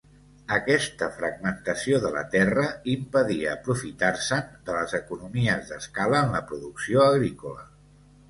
Aquesta fragmentació de la terra impedia aprofitar-se'n de les economies d'escala en la producció agrícola.